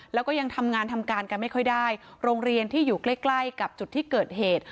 แล้วก็ยังทำงานทำการกันไม่ค่อยได้โรงเรียนที่อยู่ใกล้ใกล้กับจุดที่เกิดเหตุ